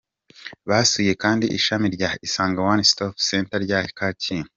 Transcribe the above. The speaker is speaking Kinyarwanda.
Basuye kandi Ishami rya Isange One Stop Center rya Kacyiru.